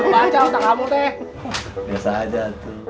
baca untuk kamu teh